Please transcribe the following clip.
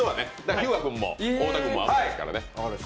日向君も太田君もですからね。